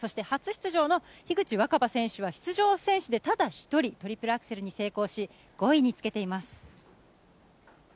初出場の樋口新葉選手は出場選手でただ一人、トリプルアクセルに成功し、５位につけています。